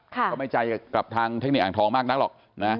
ก็ไม่ใจกับทางเทคนิคอ่างทองมากนักหรอกนะ